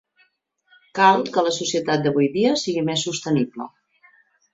Cal que la societat d'avui dia sigui més sostenible.